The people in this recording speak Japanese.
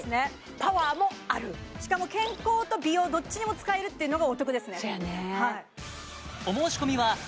パワーもあるしかも健康と美容どっちにも使えるっていうのがお得ですね